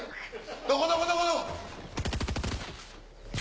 どこどこどこどこ？